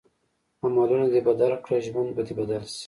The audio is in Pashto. عملونه دې بدل کړه ژوند به دې بدل شي.